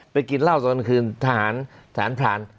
ไปกินเหล้าตอนกลางคืนทหารผลาน